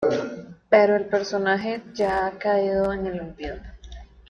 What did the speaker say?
Pero el personaje ya ha caído en el olvido.